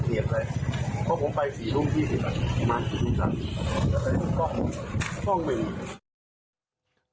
เพราะผมไปสี่รุ่นที่ผิดประมาณสี่สิบสันช่องเมลิน